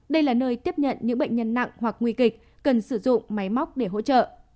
đây là nơi tiếp nhận những bệnh nhân nặng hoặc nguy kịch cần sử dụng máy móc để hỗ trợ